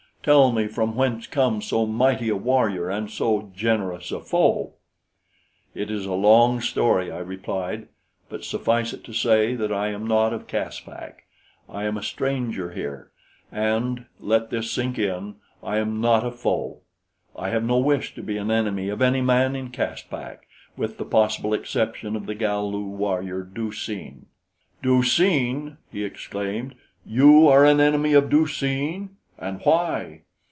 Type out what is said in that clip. Tell me from whence comes so mighty a warrior and so generous a foe." "It is a long story," I replied, "but suffice it to say that I am not of Caspak. I am a stranger here, and let this sink in I am not a foe. I have no wish to be an enemy of any man in Caspak, with the possible exception of the Galu warrior Du seen." "Du seen!" he exclaimed. "You are an enemy of Du seen? And why?"